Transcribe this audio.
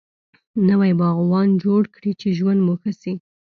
نوي باغوانه جوړ کړي چی ژوند مو ښه سي